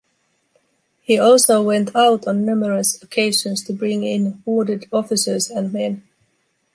He also went out on numerous occasions to bring in wounded officers and men.